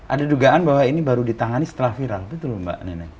ada dugaan bahwa ini baru ditangani setelah viral betul mbak neneng